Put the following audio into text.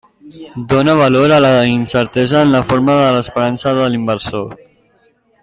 Dóna valor a la incertesa en la forma de l'esperança de l'inversor.